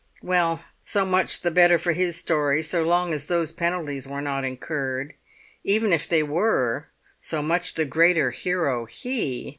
Well, so much the better for his story so long as those penalties were not incurred; even if they were, so much the greater hero he!